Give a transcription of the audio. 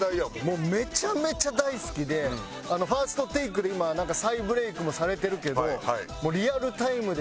もうめちゃめちゃ大好きで「ＦＩＲＳＴＴＡＫＥ」で今再ブレークもされてるけどリアルタイムで見てて。